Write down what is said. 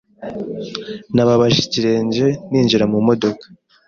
Nababaje ikirenge ninjira mu modoka.